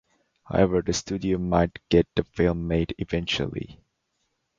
However, the studio might get the film made eventually.